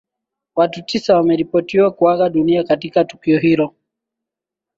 watu tisa wameripotiwa kuaga dunia katika tukio hilo